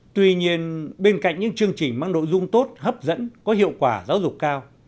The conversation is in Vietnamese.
tuy nhiên bên cạnh những chương trình mang nội dung tốt hấp dẫn có hiệu quả giáo dục cao